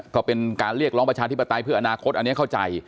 ก็เป็นการเรียกร้องประชาธิปไตยเพื่ออนาคตอันนี้เข้าใจ